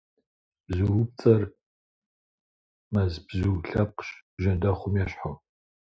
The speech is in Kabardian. Бзуупцӏэр мэз бзу лъэпкъщ, бжэндэхъум ещхьу.